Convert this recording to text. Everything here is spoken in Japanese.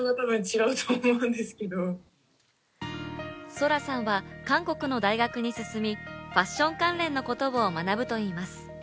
咲良さんは韓国の大学に進み、ファッション関連のことを学ぶといいます。